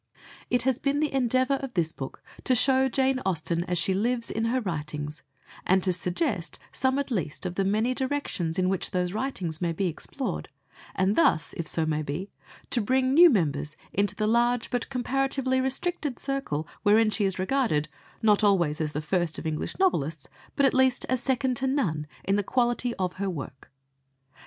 It has been the endeavour of this book to show Jane Austen as she lives in her writings, and to suggest some at least of the many directions in which those writings may be explored, and thus, if so may be, to bring new members into the large but comparatively restricted circle wherein she is regarded, not always as the first of English novelists, but at least as second to none in the quality of her work.